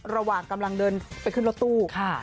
ระหว่างกำลังเดินไปขึ้นรถตู้